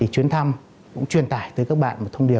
chuyến thăm cũng truyền tải tới các bạn một thông điệp